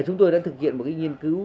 chúng tôi đã thực hiện một cái nghiên cứu